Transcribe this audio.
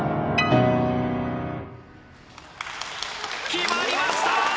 決まりました！